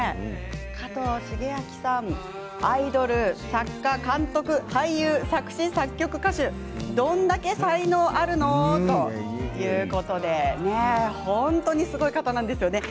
加藤シゲアキさんアイドル、作家、監督、俳優作詞・作曲、歌手どんだけ才能あるの！ということで本当にすごい方なんですよね。